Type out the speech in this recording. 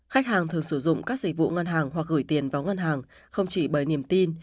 khách hàng thường sử dụng các dịch vụ ngân hàng hoặc gửi tiền vào ngân hàng không chỉ bởi niềm tin